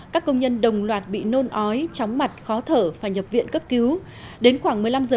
các công nhân đồng loạt bị nôn ói chóng mặt khó thở phải nhập viện cấp cứu đến khoảng một mươi năm h